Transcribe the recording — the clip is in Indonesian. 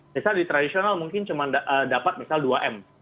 misal di tradisional mungkin cuma dapat misal dua m